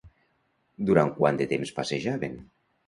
Durant quant de temps passejaven?